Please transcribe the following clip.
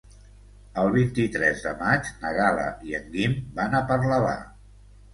El vint-i-tres de maig na Gal·la i en Guim van a Parlavà.